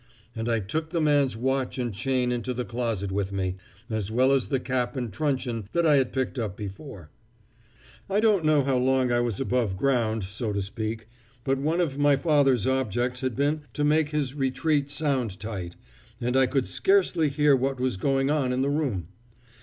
And I took the man's watch and chain into the closet with me, as well as the cap and truncheon that I had picked up before. "I don't know how long I was above ground, so to speak, but one of my father's objects had been to make his retreat sound tight, and I could scarcely hear what was going on in the room.